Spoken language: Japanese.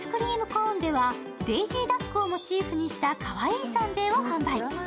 コーンでは、デイジーダックをモチーフにしたかわいいサンデーを販売。